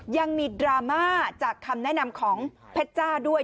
ดราม่าจากคำแนะนำของเพชรจ้าด้วย